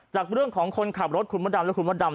จากเรื่องของคนขับรถคุณมดดำและคุณมดดำ